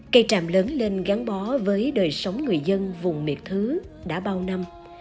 cây tràm lớn lên gắn bó với đời sống người dân vùng miệt thứ đã bao năm